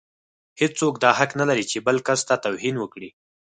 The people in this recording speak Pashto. هيڅوک دا حق نه لري چې بل کس ته توهين وکړي.